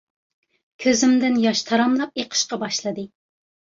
كۆزۈمدىن ياش تاراملاپ ئېقىشقا باشلىدى.